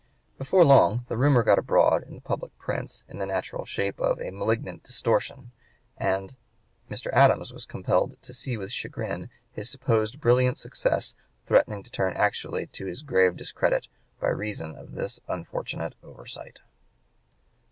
Before long the rumor got abroad in the public prints in the natural shape of a "malignant distortion," and Mr. Adams was compelled to see with chagrin his supposed brilliant success threatening to turn actually to his grave discredit by reason of this unfortunate oversight.